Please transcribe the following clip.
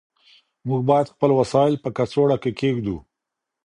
موږ باید خپل وسایل په کڅوړه کې کېږدو.